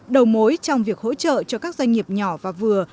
đầu mối trong việc hỗ trợ cho các doanh nghiệp nhỏ và vừa